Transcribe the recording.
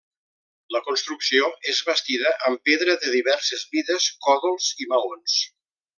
La construcció és bastida amb pedra de diverses mides, còdols i maons.